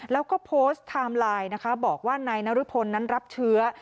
แล้วก็โพสต์ไทม์ไลน์นะคะบอกว่านายนรพลนั้นรับเชื้อ